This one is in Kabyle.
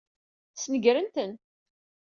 Snegren-ten.